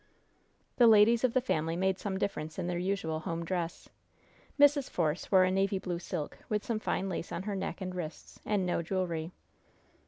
The ladies of the family made some difference in their usual home dress. Mrs. Force wore a navy blue silk, with some fine lace on her neck and wrists, and no jewelry.